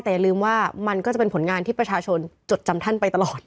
แต่อย่าลืมว่ามันก็จะเป็นผลงานที่ประชาชนจดจำท่านไปตลอด